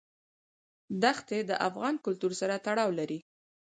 دښتې د افغان کلتور سره تړاو لري.